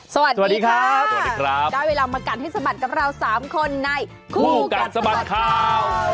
สวัสดีครับได้เวลามากันที่สบัดกับเรา๓คนในคู่กันสบัดข่าว